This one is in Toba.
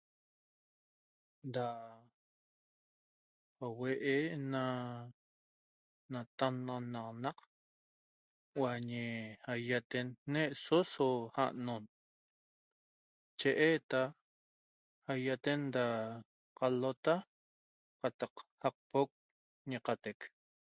Da huee' na nataxnanaq uañe aiaten neeso so anoon che eta aiaten da qalota qatac jacpoc ñecatec